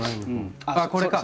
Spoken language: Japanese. あっこれか！